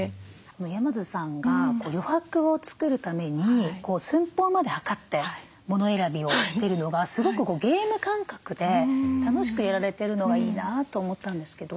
山津さんが余白を作るために寸法まで測って物選びをしてるのがすごくゲーム感覚で楽しくやられてるのがいいなと思ったんですけど。